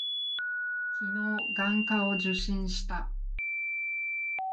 昨日、眼科を受診した。